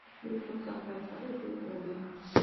Por la virgen Santa Isabel de Hungría.